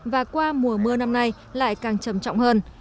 và qua mùa mưa năm nay lại càng trầm trọng hơn